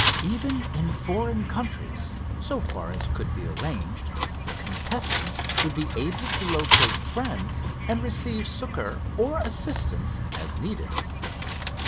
Even in foreign countries, so far as could be arranged, the contestants would be able to locate friends and receive succor or assistance as needed.